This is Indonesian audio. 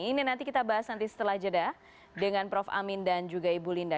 ini nanti kita bahas nanti setelah jeda dengan prof amin dan juga ibu linda